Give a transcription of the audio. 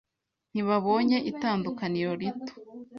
Ntibabonye itandukaniro rito.